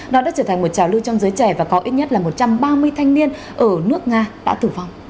nó đã trở thành một trào lưu trong giới trẻ và có ít nhất là một trăm ba mươi thanh niên ở nước nga đã tử vong